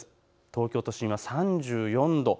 東京都心は３４度。